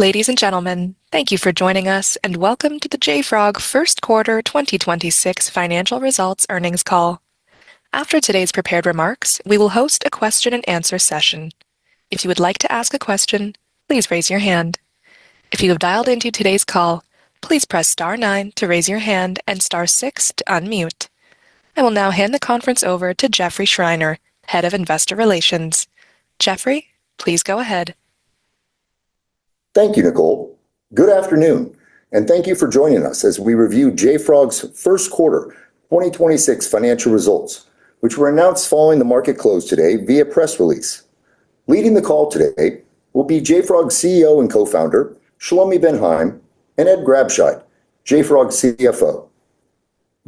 Ladies and gentlemen, thank you for joining us, and welcome to the JFrog first quarter 2026 financial results earnings call. After today's prepared remarks, we will host a question and answer session. I will now hand the conference over to Jeffrey Schreiner, Head of Investor Relations. Jeffrey, please go ahead. Thank you, Nicole. Good afternoon, and thank you for joining us as we review JFrog's first quarter 2026 financial results, which were announced following the market close today via press release. Leading the call today will be JFrog CEO and co-founder, Shlomi Ben Haim, and Ed Grabscheid, JFrog CFO.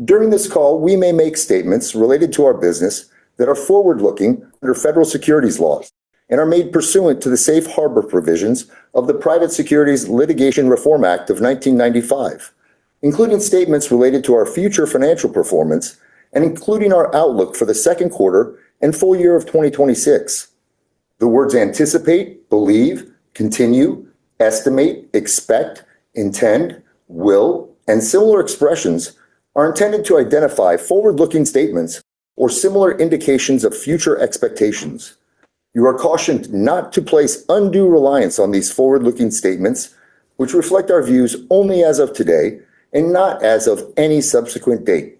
During this call, we may make statements related to our business that are forward-looking under federal securities laws and are made pursuant to the safe harbor provisions of the Private Securities Litigation Reform Act of 1995, including statements related to our future financial performance and including our outlook for the second quarter and full year of 2026. The words anticipate, believe, continue, estimate, expect, intend, will, and similar expressions are intended to identify forward-looking statements or similar indications of future expectations. You are cautioned not to place undue reliance on these forward-looking statements, which reflect our views only as of today and not as of any subsequent date.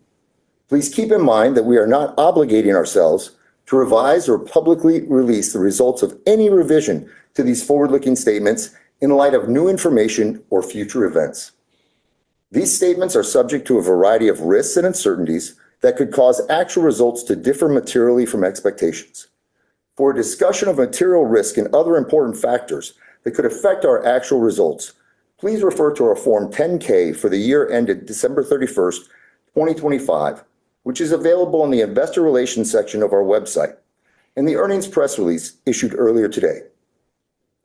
Please keep in mind that we are not obligating ourselves to revise or publicly release the results of any revision to these forward-looking statements in light of new information or future events. These statements are subject to a variety of risks and uncertainties that could cause actual results to differ materially from expectations. For a discussion of material risk and other important factors that could affect our actual results, please refer to our Form 10-K for the year ended December 31st, 2025, which is available on the investor relations section of our website, and the earnings press release issued earlier today.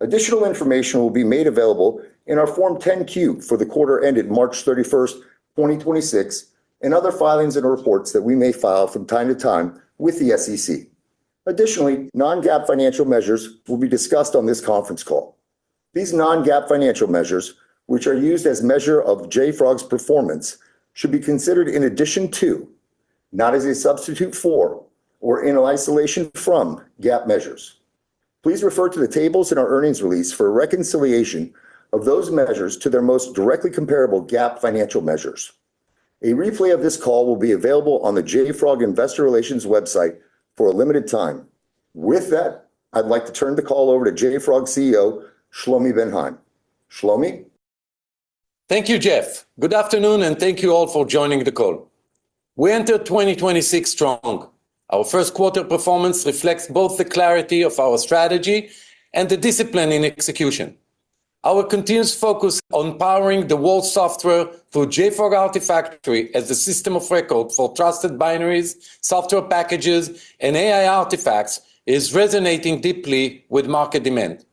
Additional information will be made available in our Form 10-Q for the quarter ended March 31st, 2026, and other filings and reports that we may file from time to time with the SEC. Additionally, non-GAAP financial measures will be discussed on this conference call. These non-GAAP financial measures, which are used as measure of JFrog's performance, should be considered in addition to, not as a substitute for, or in isolation from GAAP measures. Please refer to the tables in our earnings release for a reconciliation of those measures to their most directly comparable GAAP financial measures. A replay of this call will be available on the JFrog Investor Relations website for a limited time. With that, I'd like to turn the call over to JFrog CEO, Shlomi Ben Haim. Shlomi? Thank you, Jeff. Good afternoon, and thank you all for joining the call. We entered 2026 strong. Our 1st quarter performance reflects both the clarity of our strategy and the discipline in execution. Our continuous focus on powering the world's software through JFrog Artifactory as the system of record for trusted binaries, software packages, and AI artifacts is resonating deeply with market demand.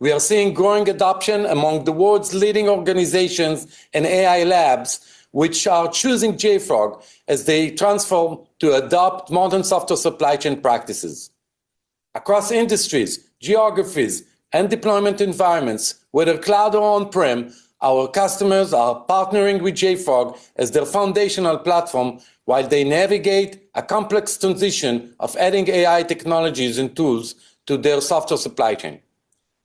We are seeing growing adoption among the world's leading organizations and AI labs, which are choosing JFrog as they transform to adopt modern software supply chain practices. Across industries, geographies, and deployment environments, whether cloud or on-prem, our customers are partnering with JFrog as their foundational platform while they navigate a complex transition of adding AI technologies and tools to their software supply chain.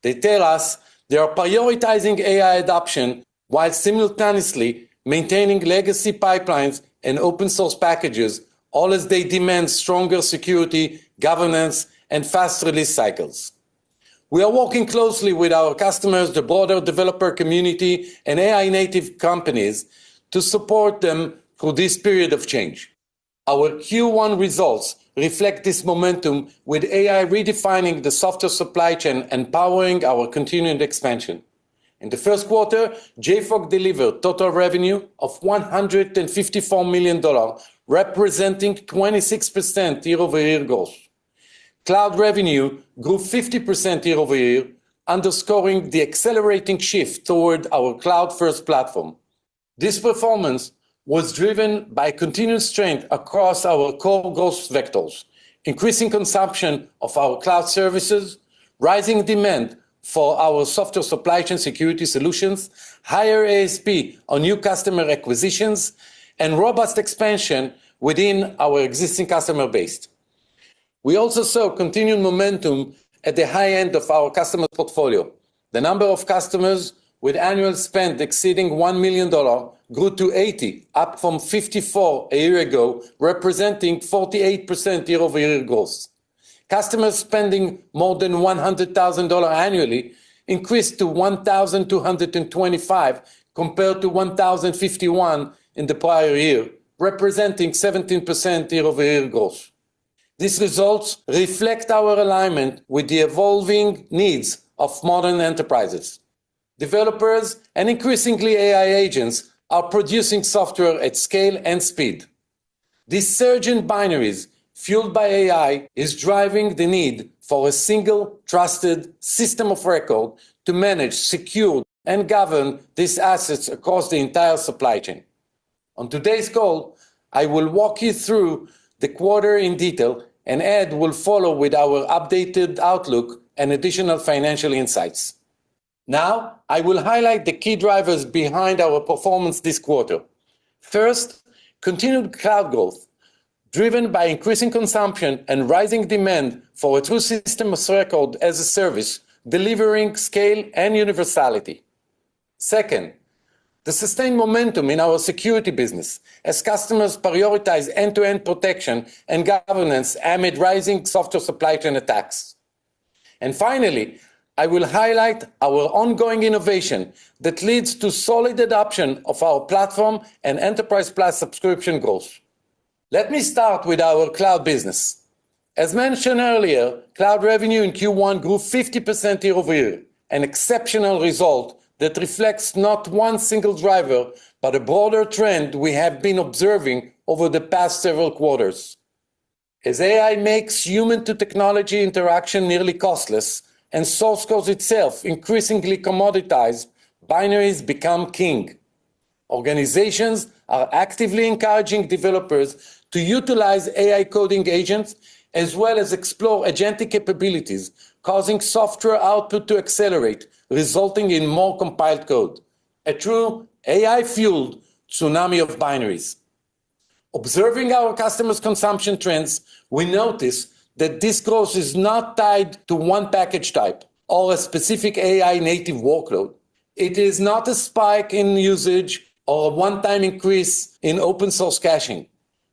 They tell us they are prioritizing AI adoption while simultaneously maintaining legacy pipelines and open source packages, all as they demand stronger security, governance, and fast release cycles. We are working closely with our customers, the broader developer community, and AI native companies to support them through this period of change. Our Q1 results reflect this momentum with AI redefining the software supply chain and powering our continued expansion. In the first quarter, JFrog delivered total revenue of $154 million, representing 26% year-over-year growth. Cloud revenue grew 50% year-over-year, underscoring the accelerating shift toward our cloud-first platform. This performance was driven by continuous strength across our core growth vectors, increasing consumption of our cloud services, rising demand for our software supply chain security solutions, higher ASP on new customer acquisitions, and robust expansion within our existing customer base. We also saw continued momentum at the high end of our customer portfolio. The number of customers with annual spend exceeding $1 million grew to 80, up from 54 a year ago, representing 48% year-over-year growth. Customers spending more than $100,000 annually increased to 1,225 compared to 1,051 in the prior year, representing 17% year-over-year growth. These results reflect our alignment with the evolving needs of modern enterprises. Developers and increasingly AI agents are producing software at scale and speed. This surge in binaries fueled by AI is driving the need for a single trusted system of record to manage, secure, and govern these assets across the entire supply chain. On today's call, I will walk you through the quarter in detail, and Ed will follow with our updated outlook and additional financial insights. I will highlight the key drivers behind our performance this quarter. First, continued cloud growth, driven by increasing consumption and rising demand for a true system of record as a service, delivering scale and universality. Second, the sustained momentum in our security business as customers prioritize end-to-end protection and governance amid rising software supply chain attacks. Finally, I will highlight our ongoing innovation that leads to solid adoption of our platform and Enterprise+ subscription growth. Let me start with our cloud business. As mentioned earlier, cloud revenue in Q1 grew 50% year-over-year, an exceptional result that reflects not one single driver, but a broader trend we have been observing over the past several quarters. As AI makes human-to-technology interaction nearly costless and source code itself increasingly commoditized, binaries become king. Organizations are actively encouraging developers to utilize AI coding agents, as well as explore agentic capabilities, causing software output to accelerate, resulting in more compiled code, a true AI-fueled tsunami of binaries. Observing our customers' consumption trends, we notice that this growth is not tied to one package type or a specific AI native workload. It is not a spike in usage or a one-time increase in open source caching.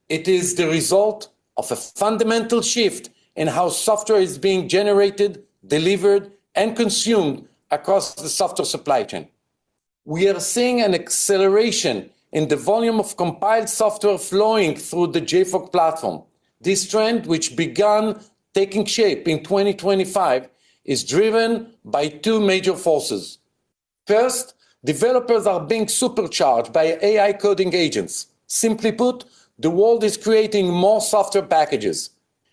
It is the result of a fundamental shift in how software is being generated, delivered, and consumed across the software supply chain. We are seeing an acceleration in the volume of compiled software flowing through the JFrog platform. This trend, which began taking shape in 2025, is driven by two major forces. First, developers are being supercharged by AI coding agents. Simply put, the world is creating more software packages.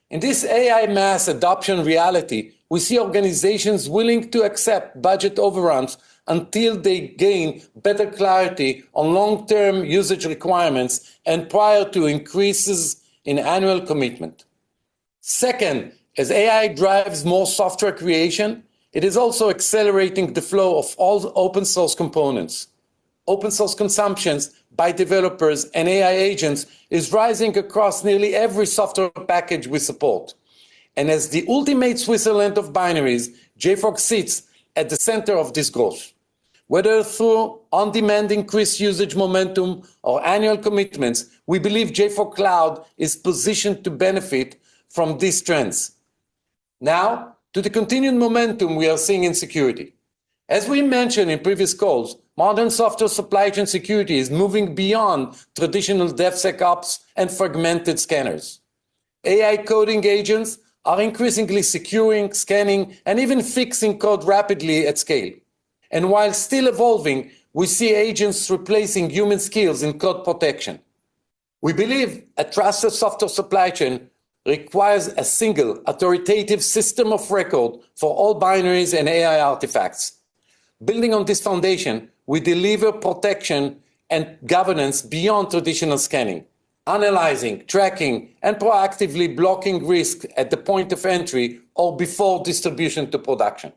In this AI mass adoption reality, we see organizations willing to accept budget overruns until they gain better clarity on long-term usage requirements and prior to increases in annual commitment. Second, as AI drives more software creation, it is also accelerating the flow of all open source components. Open source consumptions by developers and AI agents is rising across nearly every software package we support. As the ultimate Switzerland of binaries, JFrog sits at the center of this growth. Whether through on-demand increased usage momentum or annual commitments, we believe JFrog cloud is positioned to benefit from these trends. To the continued momentum we are seeing in security. As we mentioned in previous calls, modern software supply chain security is moving beyond traditional DevSecOps and fragmented scanners. AI coding agents are increasingly securing, scanning, and even fixing code rapidly at scale. While still evolving, we see agents replacing human skills in code protection. We believe a trusted software supply chain requires a single authoritative system of record for all binaries and AI artifacts. Building on this foundation, we deliver protection and governance beyond traditional scanning, analyzing, tracking, and proactively blocking risk at the point of entry or before distribution to production.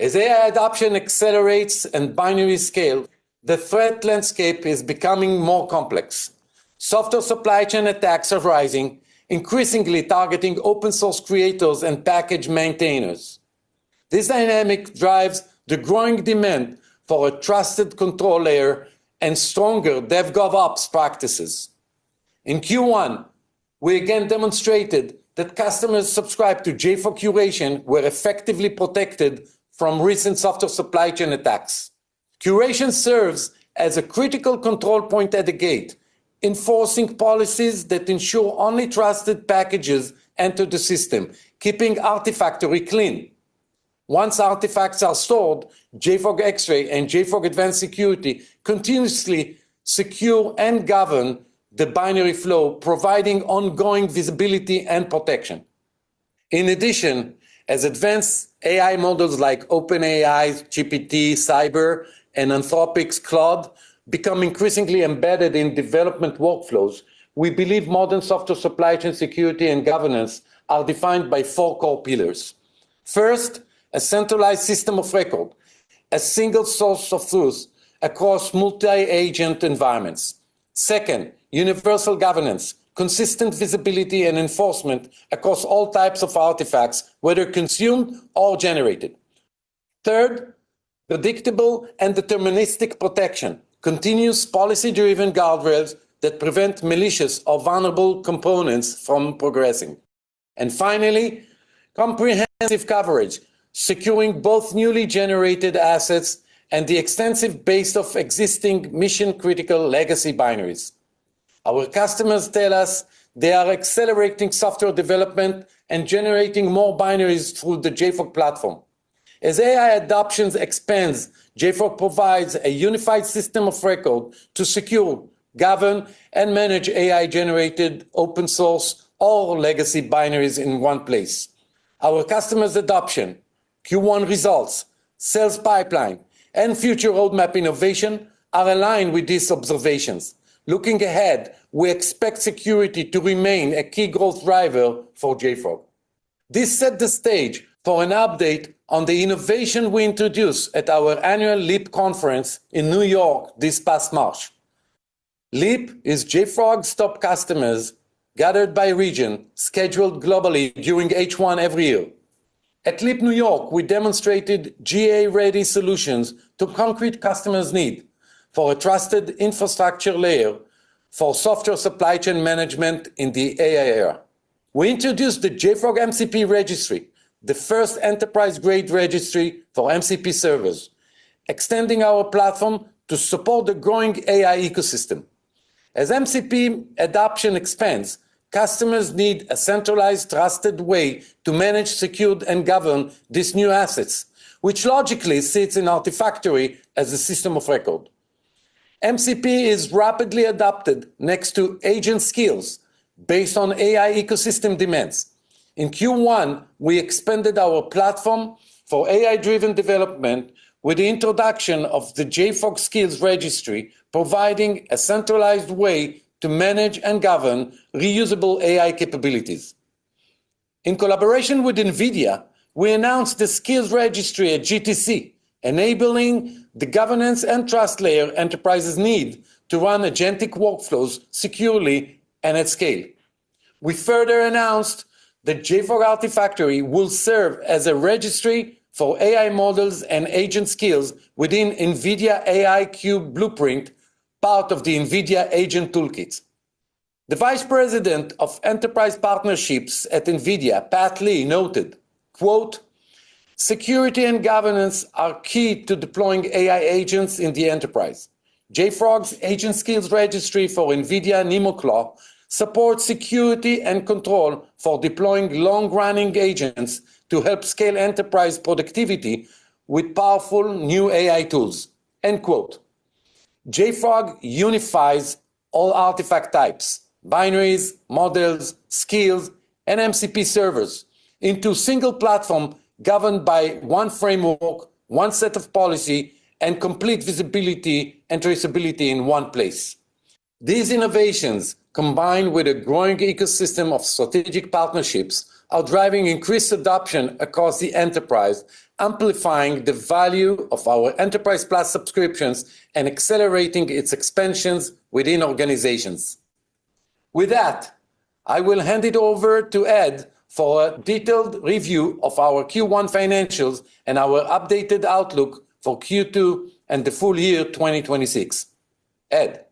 As AI adoption accelerates and binaries scale, the threat landscape is becoming more complex. Software supply chain attacks are rising, increasingly targeting open source creators and package maintainers. This dynamic drives the growing demand for a trusted control layer and stronger DevGovOps practices. In Q1, we again demonstrated that customers subscribed to JFrog Curation were effectively protected from recent software supply chain attacks. Curation serves as a critical control point at the gate, enforcing policies that ensure only trusted packages enter the system, keeping Artifactory clean. Once artifacts are stored, JFrog Xray and JFrog Advanced Security continuously secure and govern the binary flow, providing ongoing visibility and protection. In addition, as advanced AI models like OpenAI, GPT, Cyber, and Anthropic's Claude become increasingly embedded in development workflows, we believe modern software supply chain security and governance are defined by four core pillars. First, a centralized system of record, a single source of truth across multi-agent environments. Second, universal governance, consistent visibility and enforcement across all types of artifacts, whether consumed or generated. Third, predictable and deterministic protection, continuous policy-driven guardrails that prevent malicious or vulnerable components from progressing. Finally, comprehensive coverage, securing both newly generated assets and the extensive base of existing mission-critical legacy binaries. Our customers tell us they are accelerating software development and generating more binaries through the JFrog platform. As AI adoption expands, JFrog provides a unified system of record to secure, govern, and manage AI-generated open source or legacy binaries in one place. Our customers' adoption, Q1 results, sales pipeline, and future roadmap innovation are aligned with these observations. Looking ahead, we expect security to remain a key growth driver for JFrog. This set the stage for an update on the innovation we introduced at our annual LEAP Conference in New York this past March. LEAP is JFrog's top customers gathered by region, scheduled globally during H1 every year. At LEAP New York, we demonstrated GA-ready solutions to concrete customers' need for a trusted infrastructure layer for software supply chain management in the AI era. We introduced the JFrog MCP Registry, the first enterprise-grade registry for MCP servers, extending our platform to support the growing AI ecosystem. As MCP adoption expands, customers need a centralized, trusted way to manage, secure, and govern these new assets, which logically sits in Artifactory as a system of record. MCP is rapidly adopted next to agent skills based on AI ecosystem demands. In Q1, we expanded our platform for AI-driven development with the introduction of the JFrog Agent Skills Registry, providing a centralized way to manage and govern reusable AI capabilities. In collaboration with NVIDIA, we announced the Skills Registry at GTC, enabling the governance and trust layer enterprises need to run agentic workflows securely and at scale. We further announced that JFrog Artifactory will serve as a registry for AI models and agent skills within NVIDIA AI-Q Blueprint, part of the NVIDIA Agent Toolkit. The Vice President of Enterprise Partnerships at NVIDIA, Pat Lee, noted, quote, "Security and governance are key to deploying AI agents in the enterprise. JFrog's Agent Skills Registry for NVIDIA NemoClaw supports security and control for deploying long-running agents to help scale enterprise productivity with powerful new AI tools." End quote. JFrog unifies all artifact types, binaries, models, skills, and MCP servers into single platform governed by one framework, one set of policy, and complete visibility and traceability in one place. These innovations, combined with a growing ecosystem of strategic partnerships, are driving increased adoption across the enterprise, amplifying the value of our Enterprise+ subscriptions and accelerating its expansions within organizations. With that, I will hand it over to Ed for a detailed review of our Q1 financials and our updated outlook for Q2 and the full year 2026. Ed.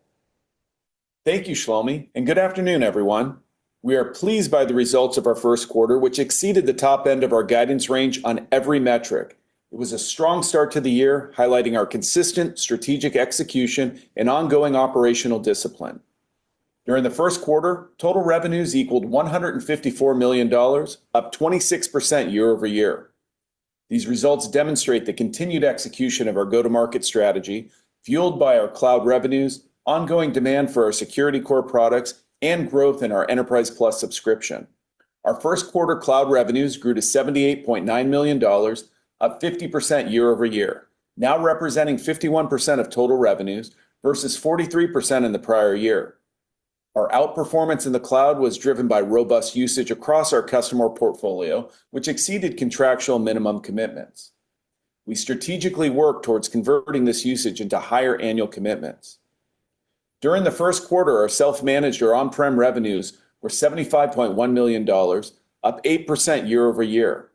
Thank you, Shlomi, and good afternoon, everyone. We are pleased by the results of our first quarter, which exceeded the top end of our guidance range on every metric. It was a strong start to the year, highlighting our consistent strategic execution and ongoing operational discipline. During the first quarter, total revenues equaled $154 million, up 26% year-over-year. These results demonstrate the continued execution of our go-to-market strategy, fueled by our cloud revenues, ongoing demand for our Security Core products, and growth in our Enterprise+ subscription. Our first quarter cloud revenues grew to $78.9 million, up 50% year-over-year, now representing 51% of total revenues versus 43% in the prior year. Our outperformance in the cloud was driven by robust usage across our customer portfolio, which exceeded contractual minimum commitments. We strategically work towards converting this usage into higher annual commitments. During the first quarter, our self-managed or on-prem revenues were $75.1 million, up 8% year-over-year.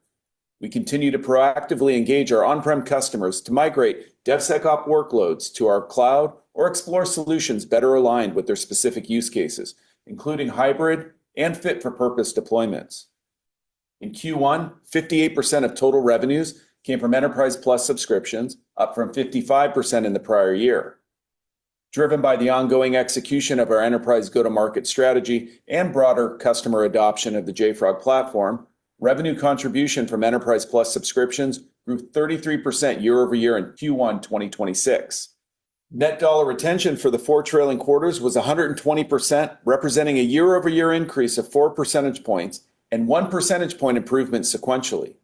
We continue to proactively engage our on-prem customers to migrate DevSecOps workloads to our cloud or explore solutions better aligned with their specific use cases, including hybrid and fit-for-purpose deployments. In Q1, 58% of total revenues came from Enterprise+ subscriptions, up from 55% in the prior year. Driven by the ongoing execution of our enterprise go-to-market strategy and broader customer adoption of the JFrog platform, revenue contribution from Enterprise+ subscriptions grew 33% year-over-year in Q1 2026. Net dollar retention for the four trailing quarters was 120%, representing a year-over-year increase of 4 percentage points and 1 percentage point improvement sequentially.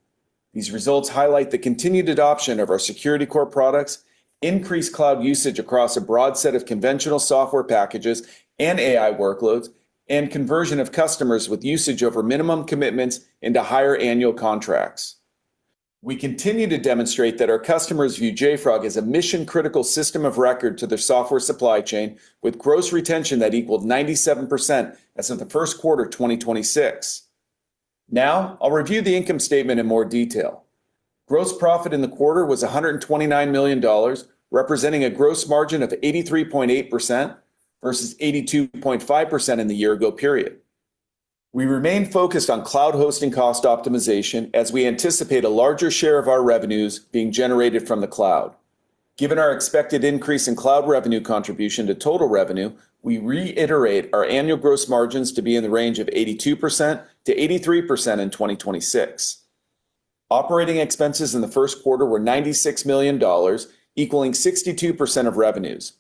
These results highlight the continued adoption of our Security Core products, increased cloud usage across a broad set of conventional software packages and AI workloads, and conversion of customers with usage over minimum commitments into higher annual contracts. We continue to demonstrate that our customers view JFrog as a mission-critical system of record to their software supply chain with gross retention that equaled 97% as of the first quarter 2026. Now, I'll review the income statement in more detail. Gross profit in the quarter was $129 million, representing a gross margin of 83.8% versus 82.5% in the year-ago period. We remain focused on cloud hosting cost optimization as we anticipate a larger share of our revenues being generated from the cloud. Given our expected increase in cloud revenue contribution to total revenue, we reiterate our annual gross margins to be in the range of 82%-83% in 2026. Operating expenses in the first quarter were $96 million, equaling 62% of revenues.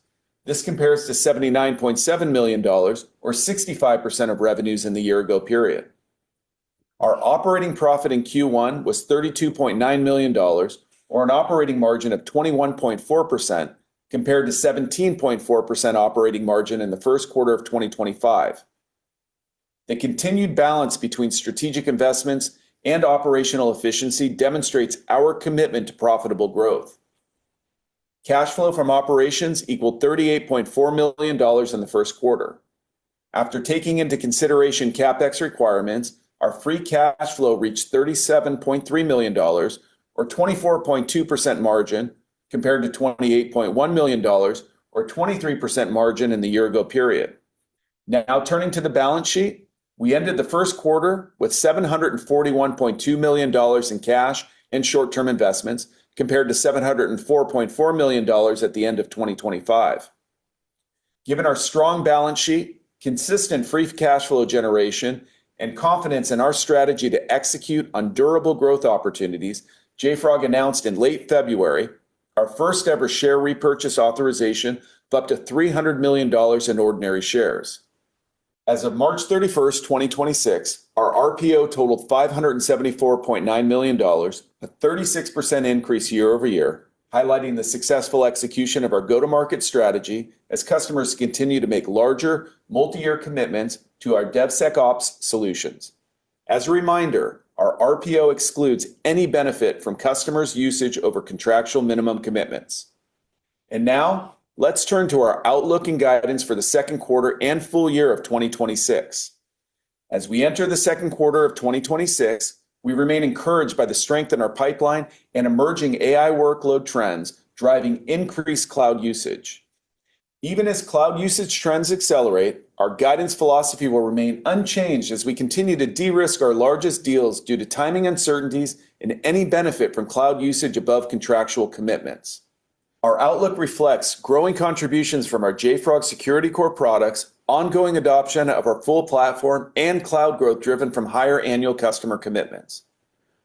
This compares to $79.7 million, or 65% of revenues in the year ago period. Our operating profit in Q1 was $32.9 million, or an operating margin of 21.4% compared to 17.4% operating margin in the first quarter of 2025. The continued balance between strategic investments and operational efficiency demonstrates our commitment to profitable growth. Cash flow from operations equalled $38.4 million in the first quarter. After taking into consideration CapEx requirements, our free cash flow reached $37.3 million or 24.2% margin compared to $28.1 million or 23% margin in the year-ago period. Turning to the balance sheet. We ended the first quarter with $741.2 million in cash and short-term investments compared to $704.4 million at the end of 2025. Given our strong balance sheet, consistent free cash flow generation, and confidence in our strategy to execute on durable growth opportunities, JFrog announced in late February our first-ever share repurchase authorization of up to $300 million in ordinary shares. As of March 31, 2026, our RPO totaled $574.9 million, a 36% increase year-over-year, highlighting the successful execution of our go-to-market strategy as customers continue to make larger multi-year commitments to our DevSecOps solutions. As a reminder, our RPO excludes any benefit from customers' usage over contractual minimum commitments. Now let's turn to our outlook and guidance for the second quarter and full year of 2026. As we enter the second quarter of 2026, we remain encouraged by the strength in our pipeline and emerging AI workload trends driving increased cloud usage. Even as cloud usage trends accelerate, our guidance philosophy will remain unchanged as we continue to de-risk our largest deals due to timing uncertainties and any benefit from cloud usage above contractual commitments. Our outlook reflects growing contributions from our JFrog Security Core products, ongoing adoption of our full platform and cloud growth driven from higher annual customer commitments.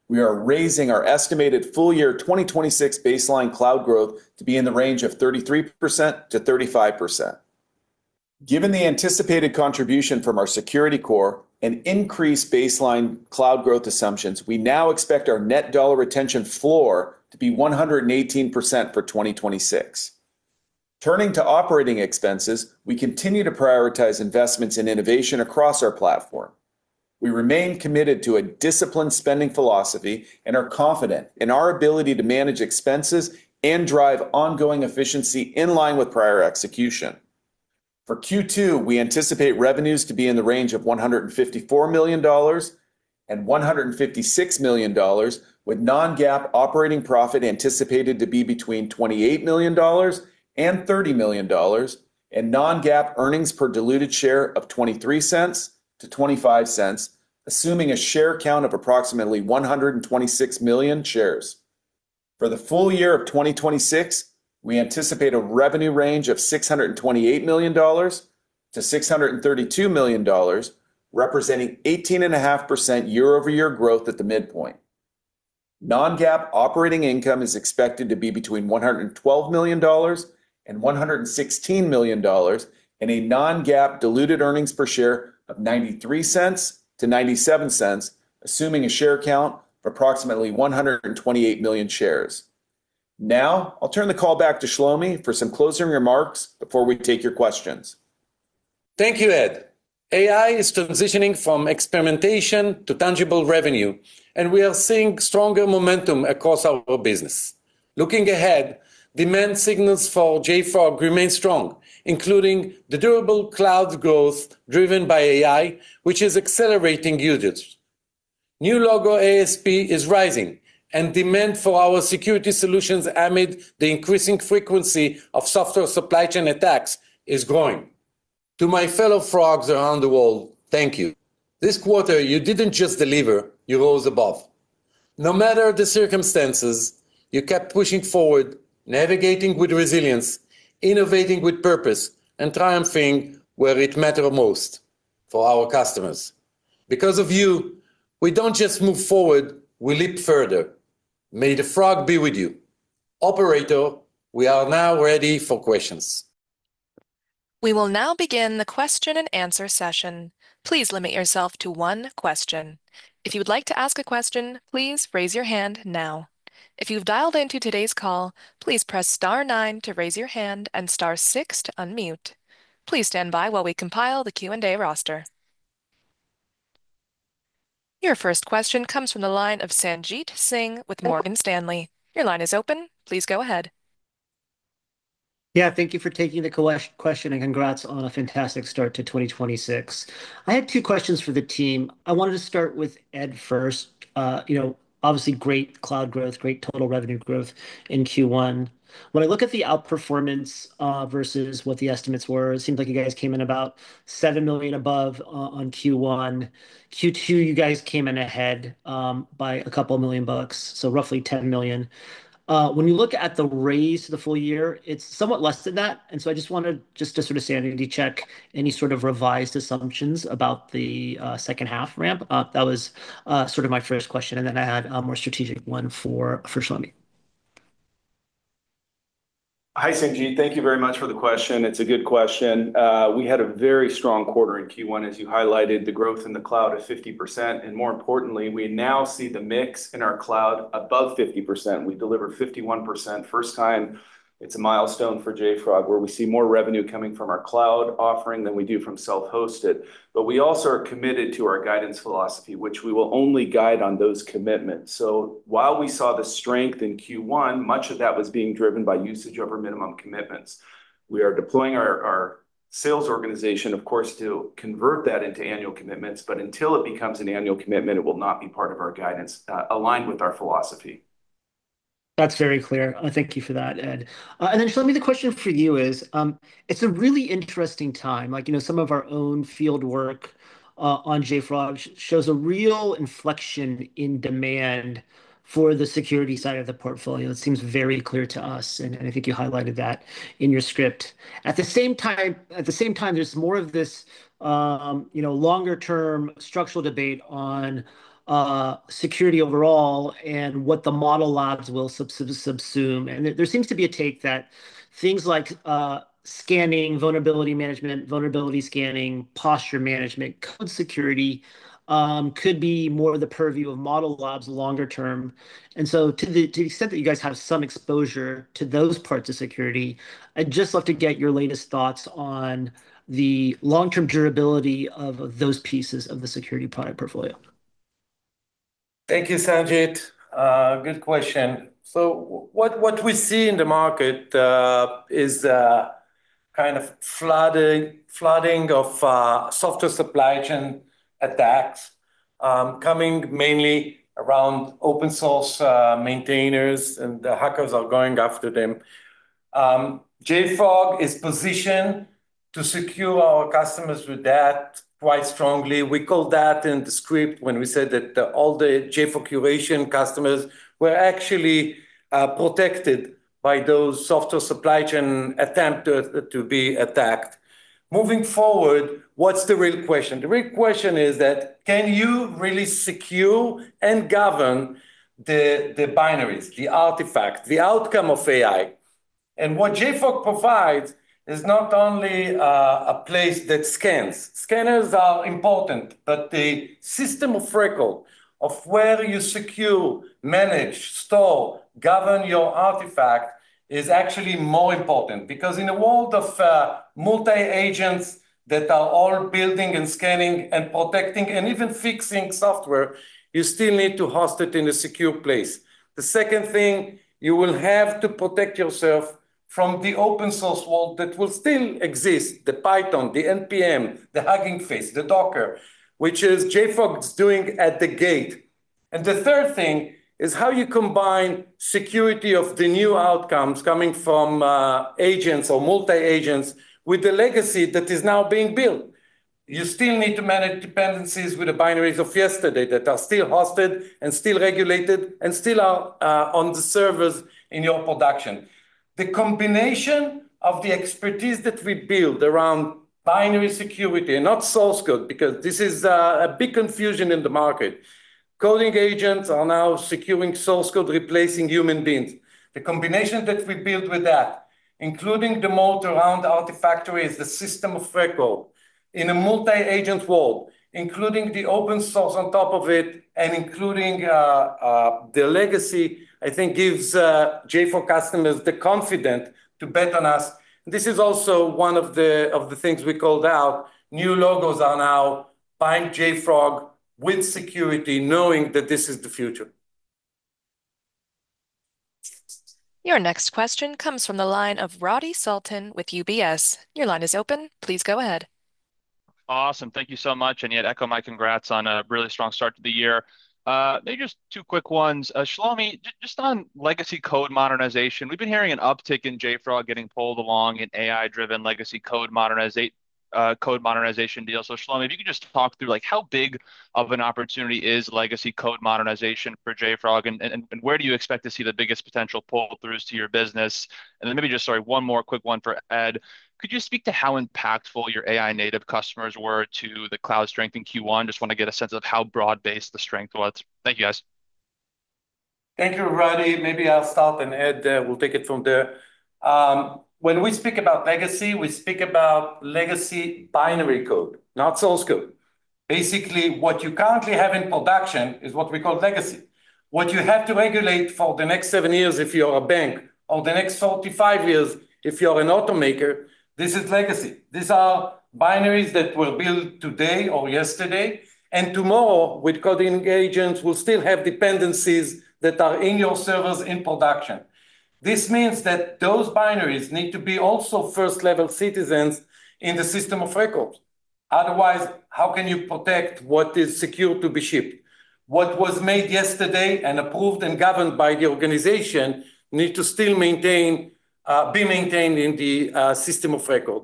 We are raising our estimated full year 2026 baseline cloud growth to be in the range of 33%-35%. Given the anticipated contribution from our Security Core and increased baseline cloud growth assumptions, we now expect our net dollar retention floor to be 118% for 2026. Turning to operating expenses, we continue to prioritize investments in innovation across our platform. We remain committed to a disciplined spending philosophy and are confident in our ability to manage expenses and drive ongoing efficiency in line with prior execution. For Q2, we anticipate revenues to be in the range of $154 million and $156 million, with non-GAAP operating profit anticipated to be between $28 million and $30 million, and non-GAAP earnings per diluted share of $0.23-$0.25, assuming a share count of approximately 126 million shares. For the full year of 2026, we anticipate a revenue range of $628 million-$632 million, representing 18.5% year-over-year growth at the midpoint. Non-GAAP operating income is expected to be between $112 million and $116 million, and a non-GAAP diluted earnings per share of $0.93-$0.97, assuming a share count of approximately 128 million shares. I'll turn the call back to Shlomi for some closing remarks before we take your questions. Thank you, Ed. AI is transitioning from experimentation to tangible revenue, and we are seeing stronger momentum across our business. Looking ahead, demand signals for JFrog remain strong, including the durable cloud growth driven by AI, which is accelerating usage. New logo ASP is rising, and demand for our security solutions amid the increasing frequency of software supply chain attacks is growing. To my fellow Frogs around the world, thank you. This quarter, you didn't just deliver, you rose above. No matter the circumstances, you kept pushing forward, navigating with resilience, innovating with purpose, and triumphing where it mattered most, for our customers. Because of you, we don't just move forward, we leap further. May the Frog be with you. Operator, we are now ready for questions. We will now begin the question-and-answer session. Please limit yourself to one question. If you would like to ask a question, please raise your hand now. If you've dialed into today's call, please press star nine to raise your hand and star six to unmute. Please stand by while we compile the Q&A roster. Your first question comes from the line of Sanjit Singh with Morgan Stanley. Your line is open. Please go ahead. Yeah, thank you for taking the question, and congrats on a fantastic start to 2026. I had two questions for the team. I wanted to start with Ed first. You know, obviously great cloud growth, great total revenue growth in Q1. When I look at the outperformance versus what the estimates were, it seems like you guys came in about $7 million above on Q1. Q2, you guys came in ahead by a couple million bucks, so roughly $10 million. When you look at the raise for the full year, it's somewhat less than that. I just wanted to sort of sanity check any sort of revised assumptions about the second half ramp. That was sort of my first question, and then I had a more strategic one for Shlomi. Hi, Sanjit. Thank you very much for the question. It's a good question. We had a very strong quarter in Q1. As you highlighted, the growth in the cloud is 50%, and more importantly, we now see the mix in our cloud above 50%. We delivered 51%, first time. It's a milestone for JFrog where we see more revenue coming from our cloud offering than we do from self-hosted. We also are committed to our guidance philosophy, which we will only guide on those commitments. While we saw the strength in Q1, much of that was being driven by usage over minimum commitments. We are deploying our sales organization, of course, to convert that into annual commitments, but until it becomes an annual commitment, it will not be part of our guidance, aligned with our philosophy. That's very clear. Thank you for that, Ed. Shlomi, the question for you is, it's a really interesting time. Like, you know, some of our own field work on JFrog shows a real inflection in demand for the security side of the portfolio. It seems very clear to us, and I think you highlighted that in your script. At the same time, there's more of this, you know, longer term structural debate on security overall and what the ModelOps will subsume. There seems to be a take that things like scanning, vulnerability management, vulnerability scanning, posture management, code security, could be more the purview of ModelOps longer term. To the extent that you guys have some exposure to those parts of security, I'd just love to get your latest thoughts on the long-term durability of those pieces of the security product portfolio. Thank you, Sanjit. Good question. What we see in the market is kind of flooding of software supply chain attacks, coming mainly around open source maintainers, and the hackers are going after them. JFrog is positioned to secure our customers with that quite strongly. We called that in the script when we said that all the JFrog Curation customers were actually protected by those software supply chain attempt to be attacked. Moving forward, what's the real question? The real question is that can you really secure and govern the binaries, the artifact, the outcome of AI? What JFrog provides is not only a place that scans. Scanners are important, but the system of record of where you secure, manage, store, govern your artifact is actually more important because in a world of multi agents that are all building and scanning and protecting and even fixing software, you still need to host it in a secure place. The second thing, you will have to protect yourself from the open source world that will still exist, the Python, the npm, the Hugging Face, the Docker, which is JFrog's doing at the gate. The third thing is how you combine security of the new outcomes coming from agents or multi-agents with the legacy that is now being built. You still need to manage dependencies with the binaries of yesterday that are still hosted and still regulated and still are on the servers in your production. The combination of the expertise that we build around binary security, and not source code, because this is a big confusion in the market. Coding agents are now securing source code replacing human beings. The combinations that we built with that, including the moat around Artifactory is the system of record. In a multi-agent world, including the open source on top of it and including the legacy, I think gives JFrog customers the confidence to bet on us. This is also one of the things we called out. New logos are now buying JFrog with security knowing that this is the future. Your next question comes from the line of Radi Sultan with UBS. Your line is open. Please go ahead. Awesome. Thank you so much. Yeah, echo my congrats on a really strong start to the year. Maybe just two quick ones. Shlomi, just on legacy code modernization, we've been hearing an uptick in JFrog getting pulled along in AI-driven legacy code modernization deals. Shlomi, if you could just talk through, like, how big of an opportunity is legacy code modernization for JFrog and where do you expect to see the biggest potential pull-throughs to your business? Maybe just, sorry, one more quick one for Ed. Could you speak to how impactful your AI native customers were to the cloud strength in Q1? Just wanna get a sense of how broad-based the strength was. Thank you, guys. Thank you, Radi. Maybe I'll start, and Ed will take it from there. When we speak about legacy, we speak about legacy binary code, not source code. Basically, what you currently have in production is what we call legacy. What you have to regulate for the next seven years if you're a bank or the next 45 years if you're an automaker, this is legacy. These are binaries that were built today or yesterday and tomorrow with coding agents will still have dependencies that are in your servers in production. This means that those binaries need to be also first-level citizens in the system of records. Otherwise, how can you protect what is secure to be shipped? What was made yesterday and approved and governed by the organization need to still maintain, be maintained in the system of record.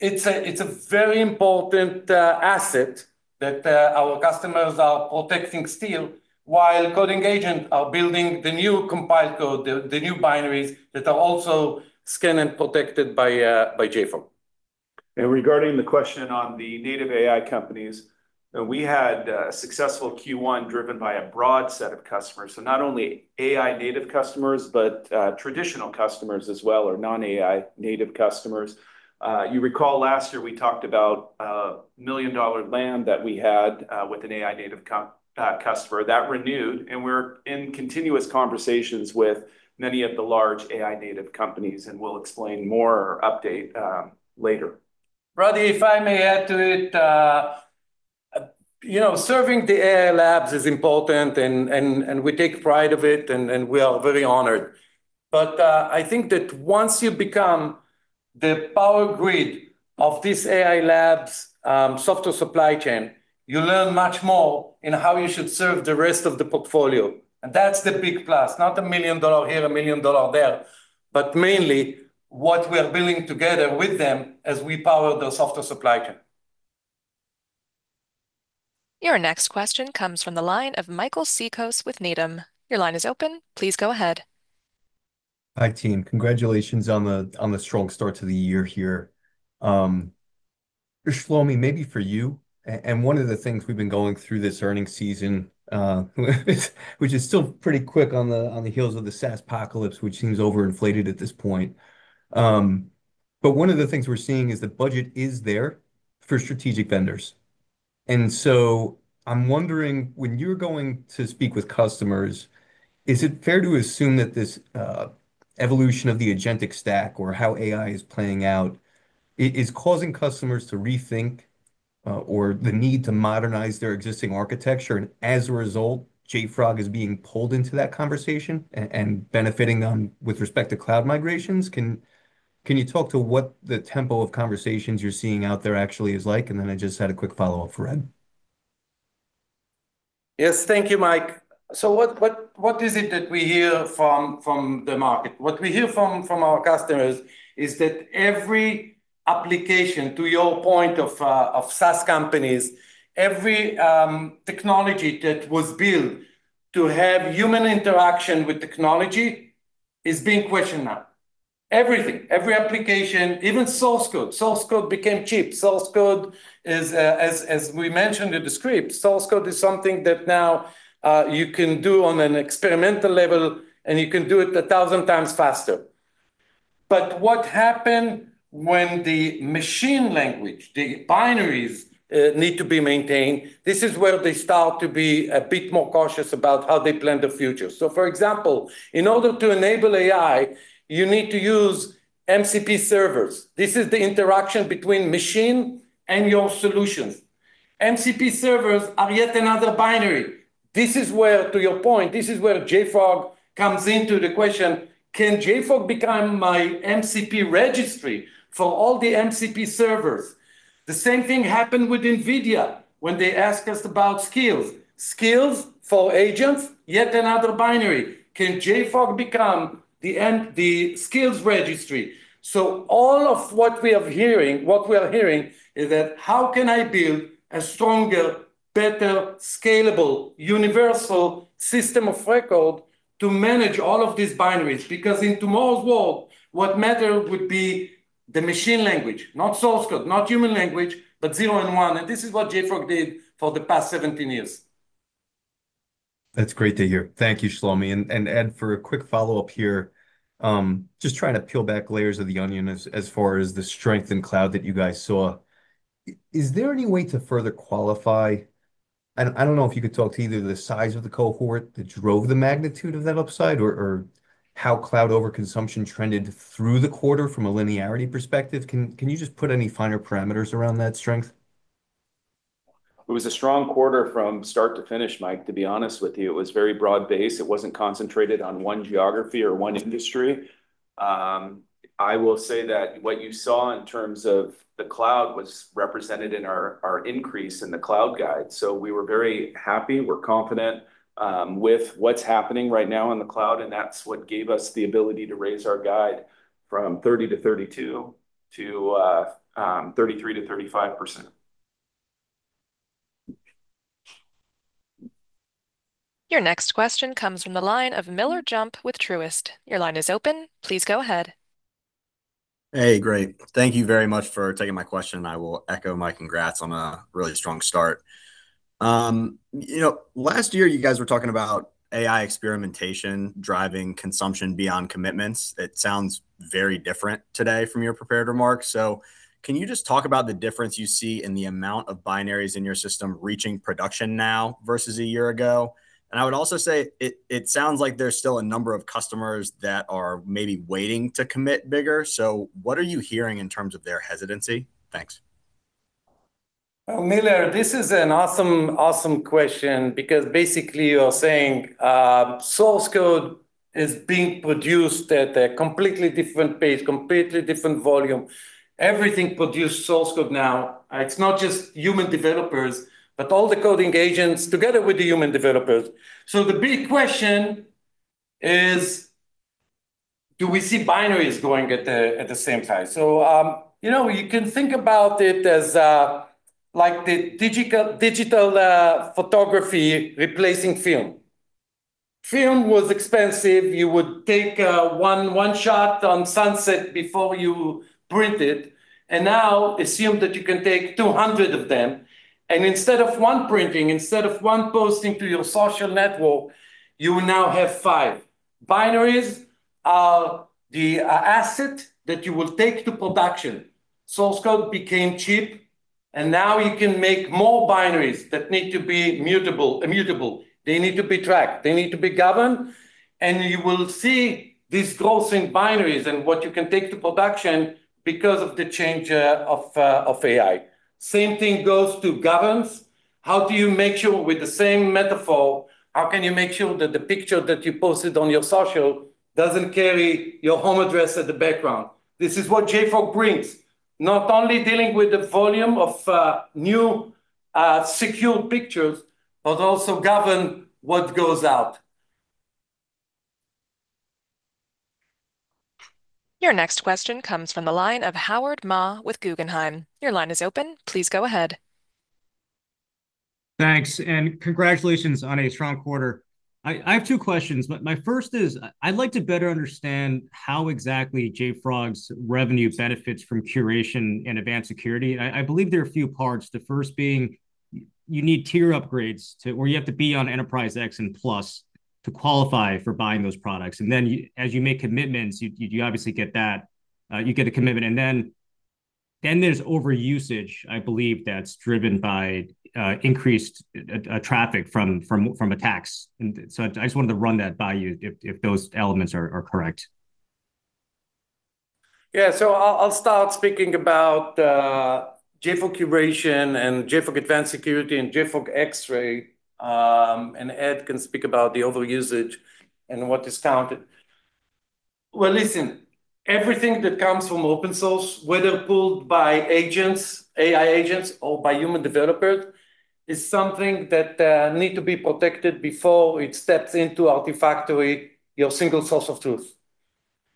It's a very important asset that our customers are protecting still while coding agent are building the new compiled code, the new binaries that are also scanned and protected by JFrog. Regarding the question on the native AI companies, we had a successful Q1 driven by a broad set of customers. Not only AI native customers, but traditional customers as well, or non-AI native customers. You recall last year we talked about a $1 million land that we had with an AI native customer. That renewed, and we're in continuous conversations with many of the large AI native companies, and we'll explain more or update later. Radi, if I may add to it, you know, serving the AI labs is important and we take pride of it and we are very honored. I think that once you become the power grid of this AI labs' software supply chain, you learn much more in how you should serve the rest of the portfolio. That's the big plus, not a $1 million here, a $1 million there. Mainly what we are building together with them as we power the software supply chain. Your next question comes from the line of Mike Cikos with Needham. Your line is open. Please go ahead. Hi, team. Congratulations on the strong start to the year here. Shlomi, maybe for you and one of the things we've been going through this earning season, which is still pretty quick on the heels of the SaaSpocalypse, which seems overinflated at this point. One of the things we're seeing is the budget is there for strategic vendors. I'm wondering when you're going to speak with customers, is it fair to assume that this evolution of the agentic stack or how AI is playing out is causing customers to rethink or the need to modernize their existing architecture, and as a result, JFrog is being pulled into that conversation and benefiting on with respect to cloud migrations? Can you talk to what the tempo of conversations you're seeing out there actually is like? I just had a quick follow-up for Ed. Yes. Thank you, Mike. What is it that we hear from the market? What we hear from our customers is that every application, to your point of SaaS companies, every technology that was built to have human interaction with technology is being questioned now. Everything, every application, even source code. Source code became cheap. Source code is as we mentioned in the script, source code is something that now you can do on an experimental level, and you can do it 1,000 times faster. What happened when the machine language, the binaries, need to be maintained? This is where they start to be a bit more cautious about how they plan the future. For example, in order to enable AI, you need to use MCP servers. This is the interaction between machine and your solutions. MCP servers are yet another binary. This is where, to your point, this is where JFrog comes into the question, can JFrog become my MCP registry for all the MCP servers? The same thing happened with NVIDIA when they asked us about skills. Skills for agents, yet another binary. Can JFrog become the skills registry? All of what we are hearing is that how can I build a stronger, better, scalable, universal system of record to manage all of these binaries? In tomorrow's world, what matter would be the machine language, not source code, not human language, but zero and one, and this is what JFrog did for the past 17 years. That's great to hear. Thank you, Shlomi. Ed, for a quick follow-up here, just trying to peel back layers of the onion as far as the strength in cloud that you guys saw, is there any way to further qualify I don't know if you could talk to either the size of the cohort that drove the magnitude of that upside or how cloud overconsumption trended through the quarter from a linearity perspective. Can you just put any finer parameters around that strength? It was a strong quarter from start to finish, Mike, to be honest with you. It was very broad-based. It wasn't concentrated on one geography or one industry. I will say that what you saw in terms of the cloud was represented in our increase in the cloud guide. We were very happy. We're confident with what's happening right now in the cloud, and that's what gave us the ability to raise our guide from 30%-32% to 33%-35%. Your next question comes from the line of Miller Jump with Truist. Your line is open. Please go ahead. Hey. Great. Thank you very much for taking my question, and I will echo my congrats on a really strong start. you know, last year you guys were talking about AI experimentation driving consumption beyond commitments. It sounds very different today from your prepared remarks. Can you just talk about the difference you see in the amount of binaries in your system reaching production now versus a year ago? I would also say it sounds like there's still a number of customers that are maybe waiting to commit bigger. What are you hearing in terms of their hesitancy? Thanks. Miller, this is an awesome question because basically you're saying, source code is being produced at a completely different pace, completely different volume. Everything produce source code now. It's not just human developers, but all the coding agents together with the human developers. The big question is, do we see binaries growing at the same time? You know, you can think about it as like the digital photography replacing film. Film was expensive. You would take one shot on sunset before you print it, and now assume that you can take 200 of them, and instead of one printing, instead of one posting to your social network, you will now have five. Binaries are the asset that you will take to production. Source code became cheap. Now you can make more binaries that need to be mutable, immutable. They need to be tracked. They need to be governed. You will see this growth in binaries and what you can take to production because of the change of AI. Same thing goes to governance. How do you make sure, with the same metaphor, how can you make sure that the picture that you posted on your social doesn't carry your home address as the background? This is what JFrog brings, not only dealing with the volume of new secure pictures, but also govern what goes out. Your next question comes from the line of Howard Ma with Guggenheim. Your line is open. Please go ahead. Thanks, congratulations on a strong quarter. I have two questions. My first is I'd like to better understand how exactly JFrog's revenue benefits from Curation and Advanced Security. I believe there are a few parts, the first being you need tier upgrades to, or you have to be on Enterprise X and Plus to qualify for buying those products, then as you make commitments, you obviously get that, you get a commitment. Then there's overusage, I believe, that's driven by increased traffic from attacks, and so I just wanted to run that by you if those elements are correct. I'll start speaking about JFrog Curation and JFrog Advanced Security and JFrog Xray, and Ed can speak about the overusage and what is counted. Well, listen, everything that comes from open source, whether pulled by agents, AI agents, or by human developers, is something that need to be protected before it steps into Artifactory, your single source of truth.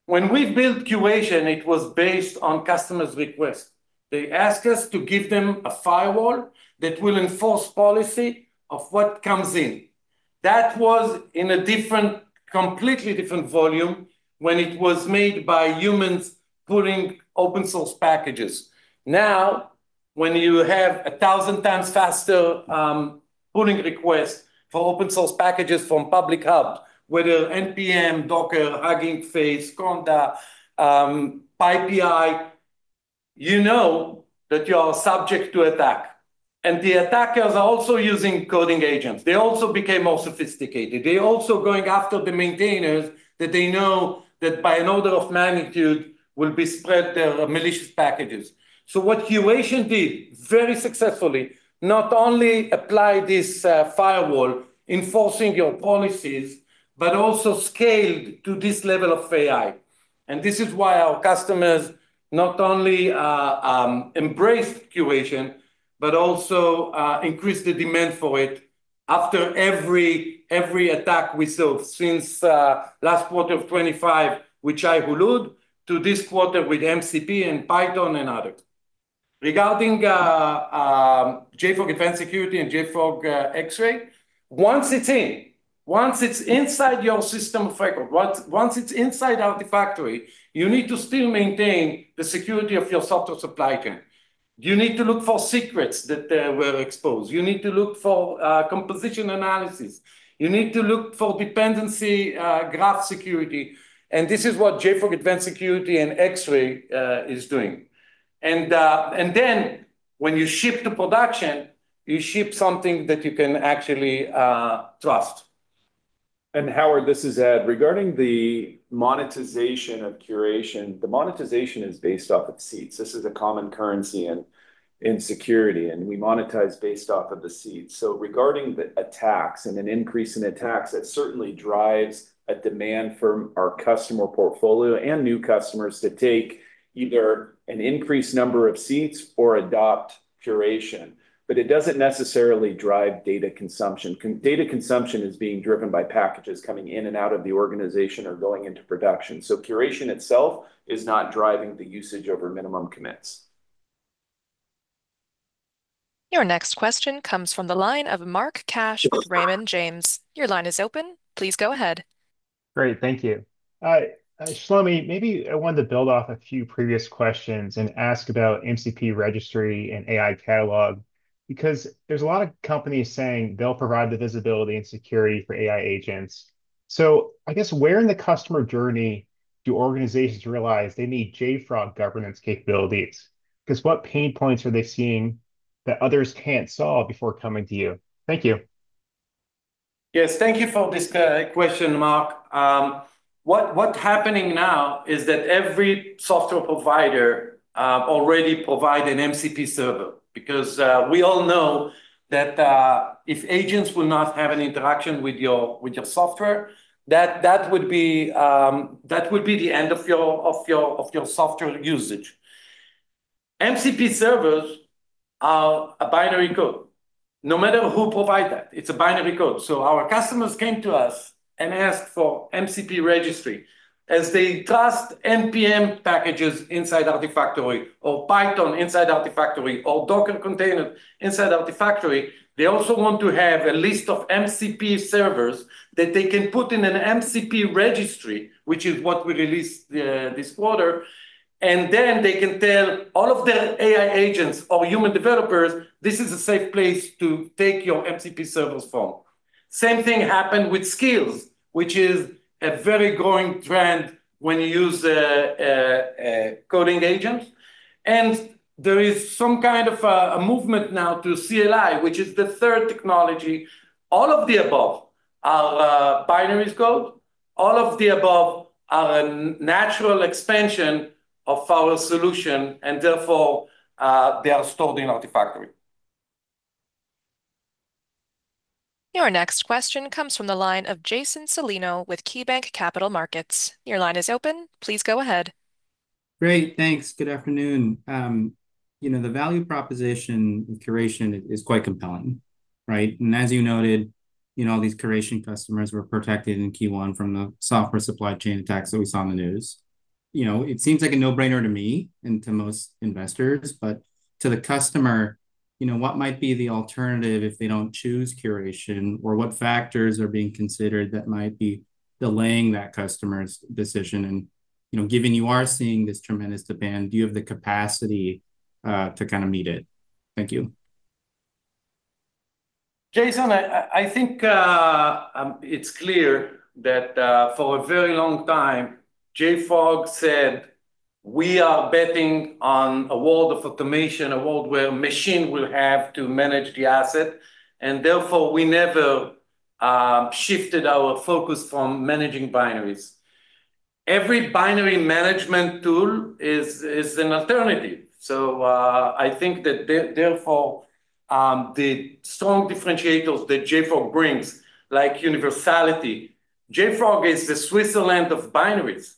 When we built Curation, it was based on customers' request. They asked us to give them a firewall that will enforce policy of what comes in. That was in a different, completely different volume when it was made by humans pulling open source packages. Now, when you have 1,000 times faster pulling request for open source packages from public hubs, whether npm, Docker, Hugging Face, Conda, PyPI, you know that you are subject to attack, and the attackers are also using coding agents. They also became more sophisticated. They're also going after the maintainers that they know that by an order of magnitude will be spread their malicious packages. What JFrog Curation did very successfully, not only apply this firewall enforcing your policies, but also scaled to this level of AI, and this is why our customers not only embraced JFrog Curation, but also increased the demand for it after every attack we saw since last quarter of 2025, which I alluded to this quarter with MCP and Python and others. Regarding JFrog Advanced Security and JFrog Xray, once it's inside your system of record, once it's inside JFrog Artifactory, you need to still maintain the security of your software supply chain. You need to look for secrets that were exposed. You need to look for composition analysis. You need to look for dependency, graph security, and this is what JFrog Advanced Security and Xray is doing. When you ship to production, you ship something that you can actually trust. Howard, this is Ed. Regarding the monetization of Curation, the monetization is based off of seats. This is a common currency in security, and we monetize based off of the seats. Regarding the attacks and an increase in attacks, that certainly drives a demand from our customer portfolio and new customers to take either an increased number of seats or adopt Curation. It doesn't necessarily drive data consumption. Data consumption is being driven by packages coming in and out of the organization or going into production, so Curation itself is not driving the usage over minimum commits. Your next question comes from the line of Mark Cash with Raymond James. Your line is open. Please go ahead. Great. Thank you. Shlomi, maybe I wanted to build off a few previous questions and ask about MCP Registry and AI Catalog because there's a lot of companies saying they'll provide the visibility and security for AI agents. I guess where in the customer journey do organizations realize they need JFrog governance capabilities? 'Cause what pain points are they seeing that others can't solve before coming to you? Thank you. Yes. Thank you for this question, Mark. What's happening now is that every software provider already provide an MCP server because we all know that if agents will not have an interaction with your software, that would be the end of your software usage. MCP servers are a binary code. No matter who provide that, it's a binary code. Our customers came to us and asked for MCP registry. As they trust npm packages inside Artifactory or Python inside Artifactory or Docker container inside Artifactory, they also want to have a list of MCP servers that they can put in an MCP registry, which is what we released this quarter. Then they can tell all of their AI agents or human developers, "This is a safe place to take your MCP servers from." Same thing happened with Skills, which is a very growing trend when you use coding agents. There is some kind of a movement now to CLI, which is the third technology. All of the above are binaries code. All of the above are a natural expansion of our solution. Therefore, they are stored in Artifactory. Your next question comes from the line of Jason Celino with KeyBanc Capital Markets. Your line is open. Please go ahead. Great. Thanks. Good afternoon. You know, the value proposition in Curation is quite compelling, right? As you noted, you know, all these Curation customers were protected in Q1 from the software supply chain attacks that we saw on the news. You know, it seems like a no-brainer to me and to most investors, but to the customer, you know, what might be the alternative if they don't choose Curation, or what factors are being considered that might be delaying that customer's decision? You know, given you are seeing this tremendous demand, do you have the capacity to kind of meet it? Thank you. Jason, I think it's clear that for a very long time, JFrog said, "We are betting on a world of automation, a world where machine will have to manage the asset," therefore we never shifted our focus from managing binaries. Every binary management tool is an alternative, I think that therefore the strong differentiators that JFrog brings, like universality, JFrog is the Switzerland of binaries.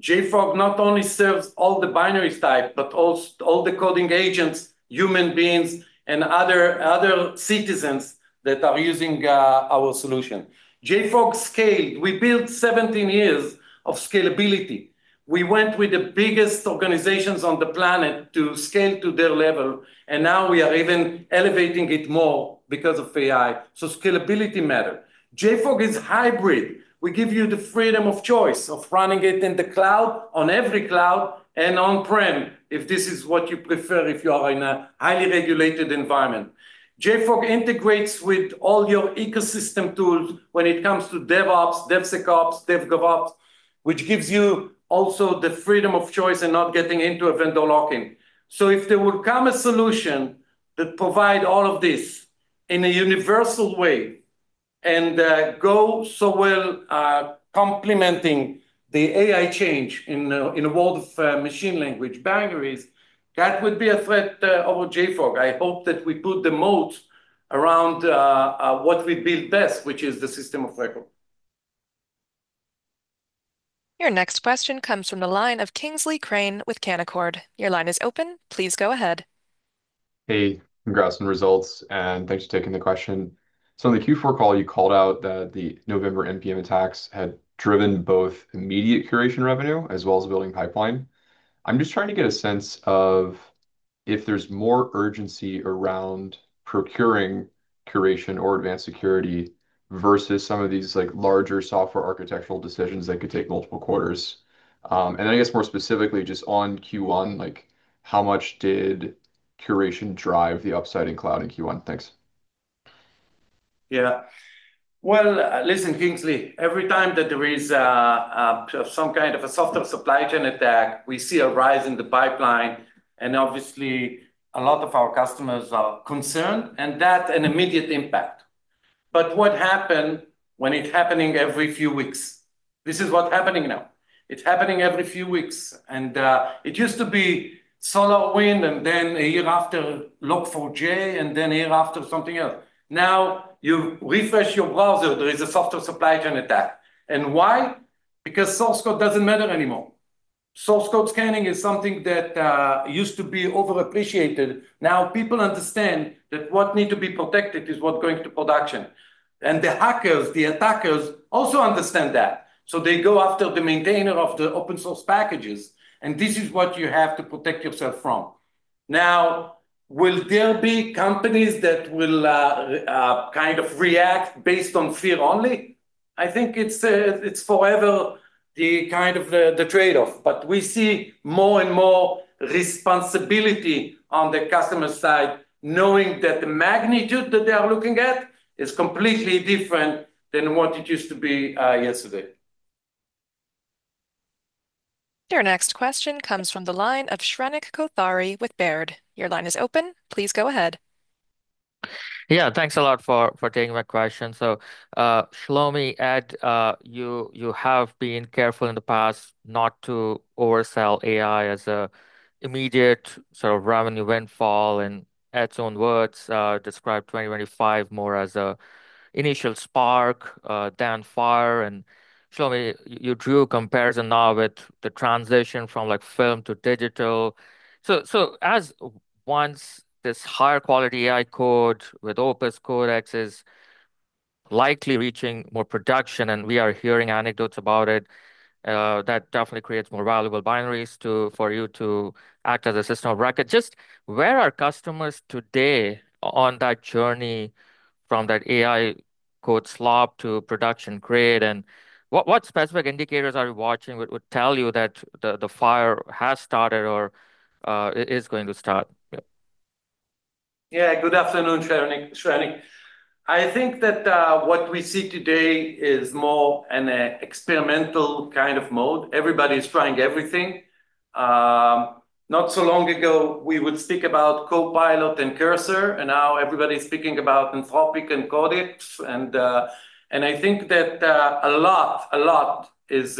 JFrog not only serves all the binaries type, but also all the coding agents, human beings, and other citizens that are using our solution. JFrog scaled. We built 17 years of scalability. We went with the biggest organizations on the planet to scale to their level, now we are even elevating it more because of AI, scalability matter. JFrog is hybrid. We give you the freedom of choice of running it in the cloud, on every cloud, and on-prem, if this is what you prefer, if you are in a highly regulated environment. JFrog integrates with all your ecosystem tools when it comes to DevOps, DevSecOps, DevGovOps, which gives you also the freedom of choice and not getting into a vendor lock-in. If there would come a solution that provide all of this in a universal way and go so well, complementing the AI change in a world of machine language binaries, that would be a threat of JFrog. I hope that we put the moat around what we build best, which is the system of record. Your next question comes from the line of Kingsley Crane with Canaccord. Your line is open. Please go ahead. Hey, congrats on the results, and thanks for taking the question. On the Q4 call, you called out that the November npm attacks had driven both immediate Curation revenue as well as building pipeline. I'm just trying to get a sense of if there's more urgency around procuring Curation or Advanced Security versus some of these larger software architectural decisions that could take multiple quarters. I guess more specifically just on Q1, how much did Curation drive the upside in cloud in Q1? Thanks. Well, listen, Kingsley, every time that there is some kind of a software supply chain attack, we see a rise in the pipeline, and obviously a lot of our customers are concerned, and that an immediate impact. What happen when it happening every few weeks? This is what happening now. It's happening every few weeks, and it used to be SolarWinds, and then a year after Log4j, and then a year after something else. Now you refresh your browser, there is a software supply chain attack. Why? Because source code doesn't matter anymore. Source code scanning is something that used to be overappreciated. Now people understand that what need to be protected is what going to production, and the hackers, the attackers also understand that, so they go after the maintainer of the open source packages, and this is what you have to protect yourself from. Now, will there be companies that will kind of react based on fear only? I think it's forever the kind of the trade-off, but we see more and more responsibility on the customer side, knowing that the magnitude that they are looking at is completely different than what it used to be yesterday. Your next question comes from the line of Shrenik Kothari with Baird. Your line is open. Please go ahead. Thanks a lot for taking my question. Shlomi, Ed, you have been careful in the past not to oversell AI as an immediate sort of revenue windfall, Ed's own words described 2025 more as an initial spark than fire. Shlomi, you drew a comparison now with the transition from, like, film to digital. As once this higher quality AI code with Claude Opus is likely reaching more production, and we are hearing anecdotes about it, that definitely creates more valuable binaries for you to act as a system of record. Just where are customers today on that journey from that 'AI code slop' to production grade, and what specific indicators are you watching would tell you that the fire has started or is going to start? Yeah. Good afternoon, Shrenik. I think that what we see today is more an experimental kind of mode. Everybody's trying everything. Not so long ago, we would speak about Copilot and Cursor, now everybody's speaking about Anthropic and Codex, and I think that a lot, a lot is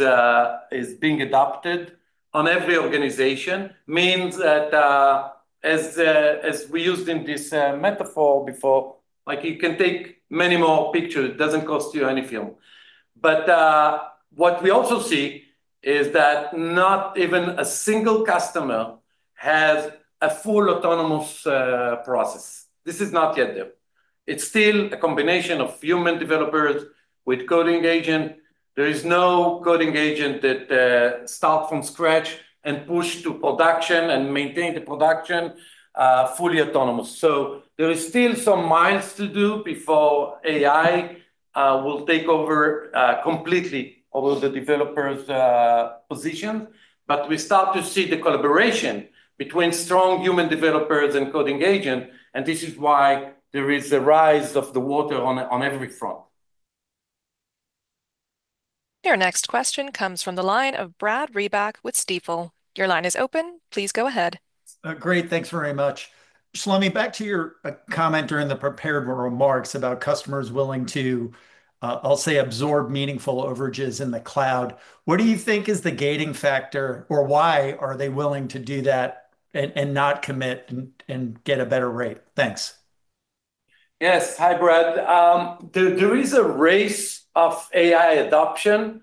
being adopted on every organization. Means that as we used in this metaphor before, like you can take many more pictures, it doesn't cost you any film. What we also see is that not even a single customer has a full autonomous process. This is not yet there. It's still a combination of human developers with coding agent. There is no coding agent that start from scratch and push to production and maintain the production fully autonomous. There is still some miles to do before AI will take over completely over the developers' position. We start to see the collaboration between strong human developers and coding agent, and this is why there is a rise of the water on every front. Your next question comes from the line of Brad Reback with Stifel. Your line is open, please go ahead. Great, thanks very much. Shlomi, back to your comment during the prepared remarks about customers willing to, I'll say absorb meaningful overages in the cloud. What do you think is the gating factor, or why are they willing to do that and not commit and get a better rate? Thanks. Yes. Hi, Brad. There is a race of AI adoption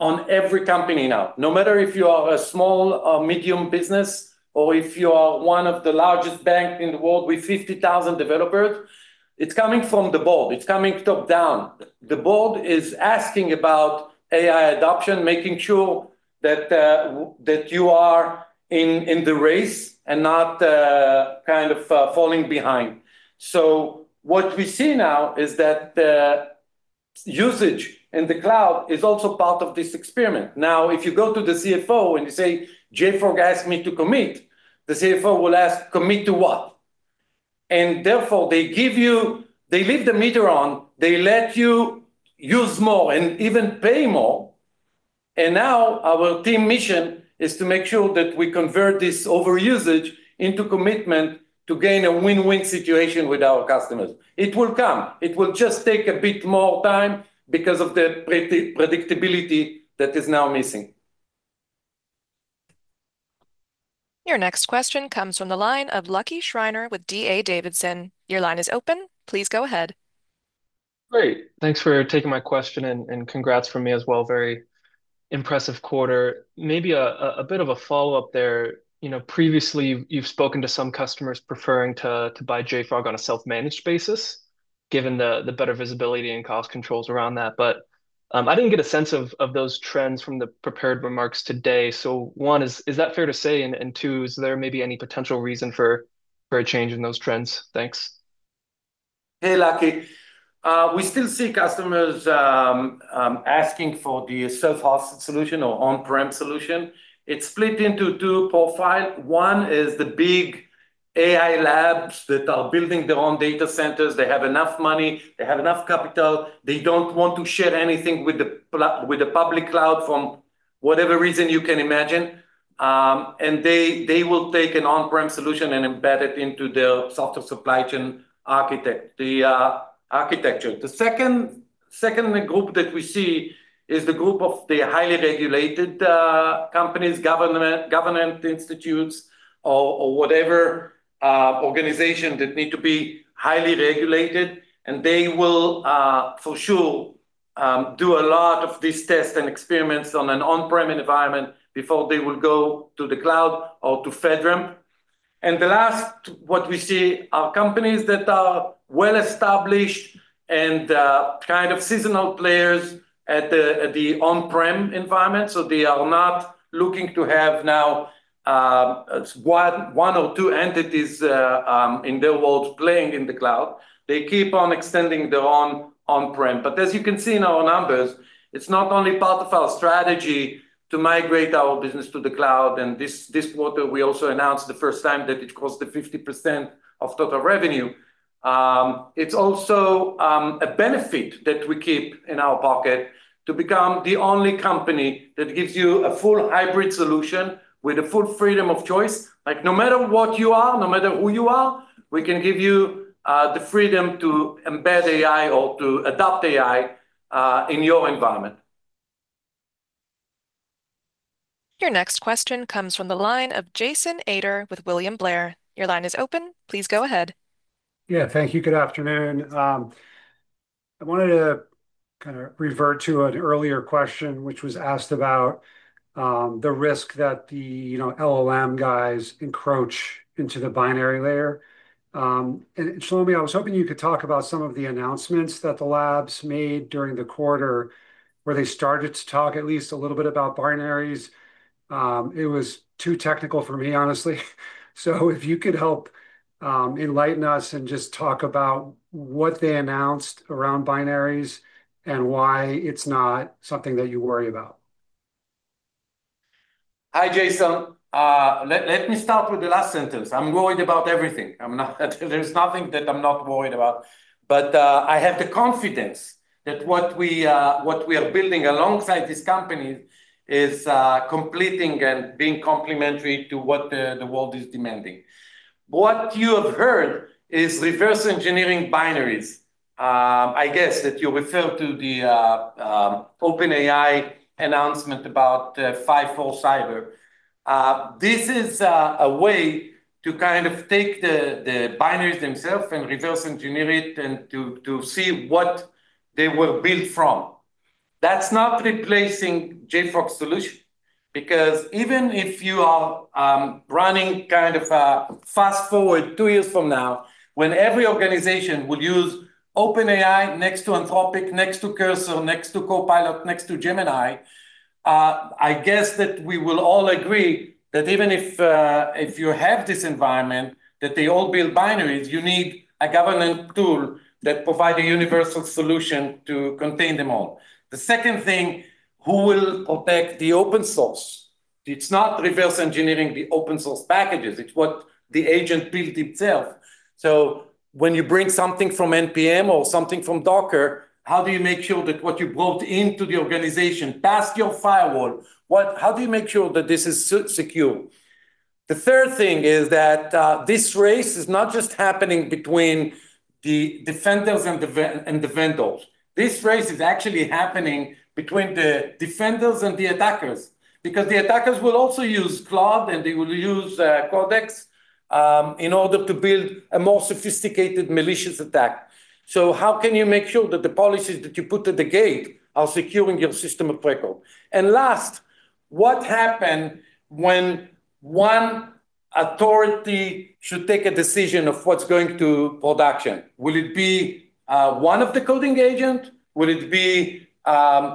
on every company now, no matter if you are a small or medium business or if you are one of the largest bank in the world with 50,000 developers, it's coming from the board, it's coming top-down. The board is asking about AI adoption, making sure that you are in the race and not kind of falling behind. What we see now is that the usage in the cloud is also part of this experiment. Now, if you go to the CFO and you say, " JFrog asked me to commit," the CFO will ask, "Commit to what?" Therefore they give you, they leave the meter on, they let you use more and even pay more. Now our team mission is to make sure that we convert this overusage into commitment to gain a win-win situation with our customers. It will come. It will just take a bit more time because of the predictability that is now missing. Your next question comes from the line of Lucky Schreiner with D.A. Davidson. Your line is open, please go ahead. Great. Thanks for taking my question, congrats from me as well. Very impressive quarter. Maybe a bit of a follow-up there. You know, previously you've spoken to some customers preferring to buy JFrog on a self-managed basis given the better visibility and cost controls around that. I didn't get a sense of those trends from the prepared remarks today. One, is that fair to say? Two, is there maybe any potential reason for a change in those trends? Thanks. Hey, Lucky. We still see customers asking for the self-hosted solution or on-prem solution. It's split into two profile. one is the big AI labs that are building their own data centers. They have enough money, they have enough capital. They don't want to share anything with the public cloud from whatever reason you can imagine. They will take an on-prem solution and embed it into their software supply chain architecture. The second group that we see is the group of the highly regulated companies, government institutes or whatever organization that need to be highly regulated, and they will for sure do a lot of this test and experiments on an on-prem environment before they will go to the cloud or to FedRAMP. The last, what we see are companies that are well established and kind of seasonal players at the on-prem environment, so they are not looking to have now one or two entities in their world playing in the cloud. They keep on extending their own on-prem. As you can see in our numbers, it's not only part of our strategy to migrate our business to the cloud, and this quarter we also announced the first time that it crossed the 50% of total revenue, it's also a benefit that we keep in our pocket to become the only company that gives you a full hybrid solution with a full freedom of choice. Like no matter what you are, no matter who you are, we can give you the freedom to embed AI or to adopt AI in your environment. Your next question comes from the line of Jason Ader with William Blair. Your line is open, please go ahead. Yeah. Thank you. Good afternoon. I wanted to revert to an earlier question, which was asked about, the risk that the, you know, LLM guys encroach into the binary layer. Shlomi, I was hoping you could talk about some of the announcements that the labs made during the quarter where they started to talk at least a little bit about binaries. It was too technical for me, honestly. If you could help enlighten us and just talk about what they announced around binaries and why it's not something that you worry about. Hi, Jason. Let me start with the last sentence. I'm worried about everything. There's nothing that I'm not worried about. I have the confidence that what we are building alongside these companies is completing and being complementary to what the world is demanding. What you have heard is reverse-engineering binaries. I guess that you refer to the OpenAI announcement about GPT-5.4-Cyber. This is a way to kind of take the binaries themself and reverse engineer it and to see what they were built from. That's not replacing JFrog solution, because even if you are running kind of a fast-forward two years from now, when every organization will use OpenAI next to Anthropic, next to Cursor, next to Copilot, next to Gemini, I guess that we will all agree that even if you have this environment, that they all build binaries, you need a governance tool that provide a universal solution to contain them all. The second thing, who will protect the open source? It's not reverse engineering the open source packages, it's what the agent built itself. When you bring something from npm or something from Docker, how do you make sure that what you brought into the organization past your firewall, how do you make sure that this is secure? The third thing is that this race is not just happening between the defenders and the vendors. This race is actually happening between the defenders and the attackers, because the attackers will also use Claude and they will use Codex in order to build a more sophisticated malicious attack. How can you make sure that the policies that you put at the gate are securing your system of record? Last, what happen when one authority should take a decision of what's going to production? Will it be one of the coding agent? Will it be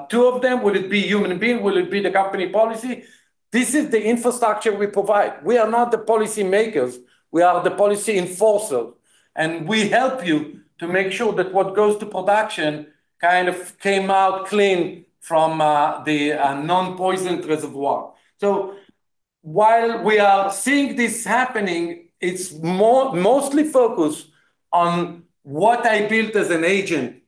two of them? Will it be human being? Will it be the company policy? This is the infrastructure we provide. We are not the policy makers, we are the policy enforcer, and we help you to make sure that what goes to production kind of came out clean from the non-poisoned reservoir. While we are seeing this happening, it's more mostly focused on what I built as an agent,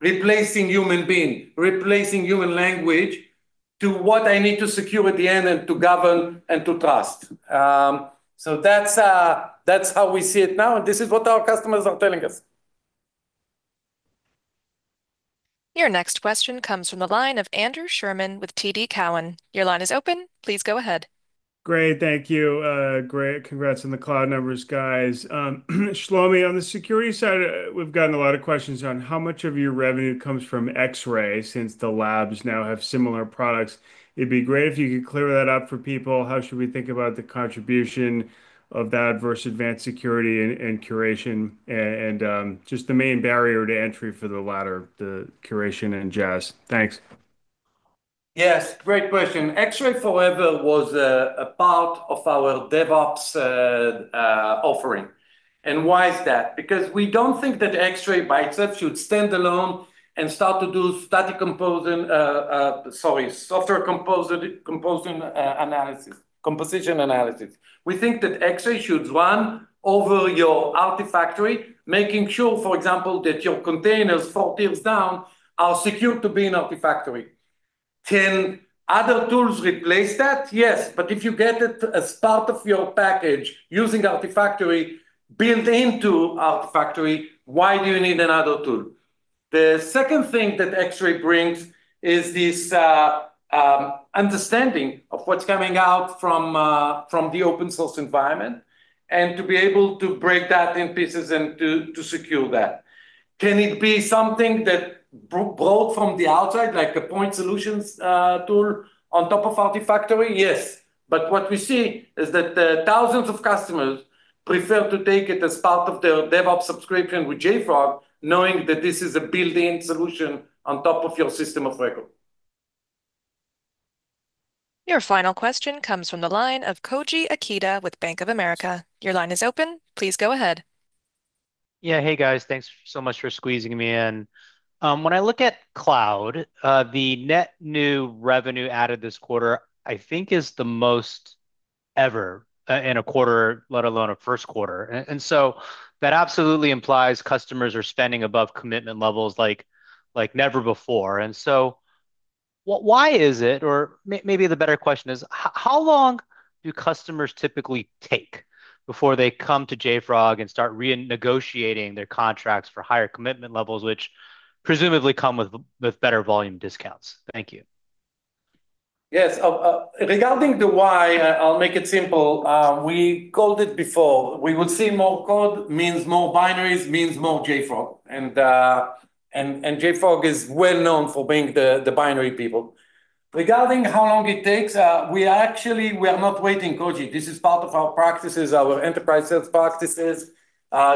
replacing human being, replacing human language to what I need to secure at the end and to govern and to trust. That's how we see it now, and this is what our customers are telling us. Your next question comes from the line of Andrew Sherman with TD Cowen. Your line is open. Please go ahead. Great. Thank you. Great. Congrats on the cloud numbers, guys. Shlomi, on the security side, we've gotten a lot of questions on how much of your revenue comes from Xray since the labs now have similar products. It would be great if you could clear that up for people. How should we think about the contribution of that versus Advanced Security and Curation and, just the main barrier to entry for the latter, the Curation and JAS. Thanks. Yes. Great question. Xray forever was a part of our DevOps offering. Why is that? Because we don't think that Xray by itself should stand alone and start to do sorry, software composing, composition analysis. We think that Xray should run over your Artifactory, making sure, for example, that your containers four tiers down are secure to be in Artifactory. Can other tools replace that? Yes. If you get it as part of your package using Artifactory, built into Artifactory, why do you need another tool? The second thing that Xray brings is this understanding of what's coming out from the open source environment, and to be able to break that in pieces and to secure that. Can it be something that bought from the outside, like a point solutions tool on top of Artifactory? Yes. What we see is that the thousands of customers prefer to take it as part of their DevOps subscription with JFrog, knowing that this is a built-in solution on top of your system of record. Your final question comes from the line of Koji Ikeda with Bank of America. Your line is open. Please go ahead. Yeah. Hey, guys. Thanks so much for squeezing me in. When I look at cloud, the net new revenue added this quarter, I think is the most ever in a quarter, let alone a first quarter. That absolutely implies customers are spending above commitment levels like never before. Why is it, or maybe the better question is how long do customers typically take before they come to JFrog and start renegotiating their contracts for higher commitment levels, which presumably come with better volume discounts? Thank you. Yes. Regarding the why, I'll make it simple. We called it before. We would see more code means more binaries means more JFrog, and JFrog is well known for being the binary people. Regarding how long it takes, we are not waiting, Koji. This is part of our practices, our enterprise sales practices,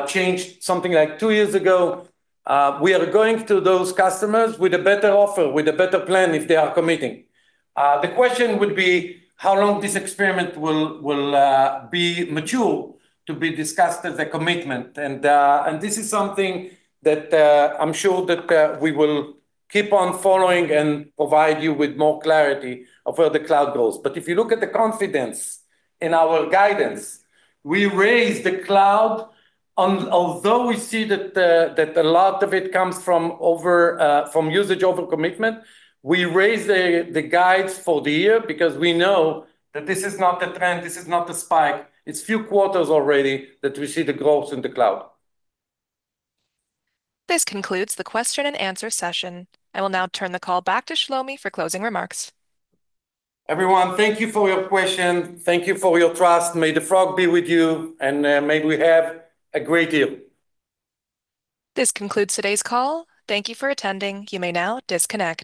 changed something like two years ago. We are going to those customers with a better offer, with a better plan if they are committing. The question would be how long this experiment will be mature to be discussed as a commitment. This is something that I'm sure that we will keep on following and provide you with more clarity of where the cloud goes. If you look at the confidence in our guidance, we raised the cloud although we see that a lot of it comes from usage over commitment, we raised the guides for the year because we know that this is not a trend, this is not a spike. It's few quarters already that we see the growth in the cloud. This concludes the question-and-answer session. I will now turn the call back to Shlomi for closing remarks. Everyone, thank you for your question. Thank you for your trust. May the frog be with you, and may we have a great year. This concludes today's call. Thank you for attending. You may now disconnect.